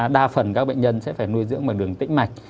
đa phần các bệnh nhân sẽ phải nuôi dưỡng bằng đường tĩnh mạch